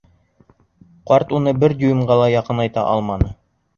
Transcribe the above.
Ҡарт уны бер дюймға ла яҡынайта алманы.